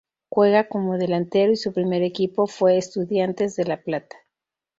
Juega como delantero y su primer equipo fue Estudiantes de La Plata.